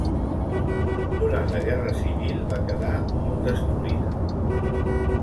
Durant la guerra civil va quedar molt destruïda.